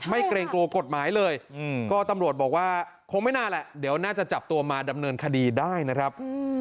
เกรงกลัวกฎหมายเลยก็ตำรวจบอกว่าคงไม่น่าแหละเดี๋ยวน่าจะจับตัวมาดำเนินคดีได้นะครับ